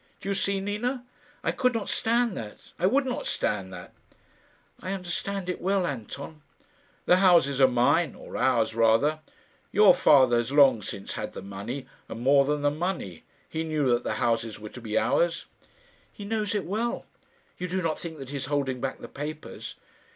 Do you see, Nina? I could not stand that I would not stand that." "I understand it well, Anton." "The houses are mine or ours, rather. Your father has long since had the money, and more than the money. He knew that the houses were to be ours." "He knows it well. You do not think that he is holding back the papers?"